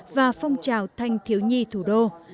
và phong trào thanh thiếu nhi thủ đô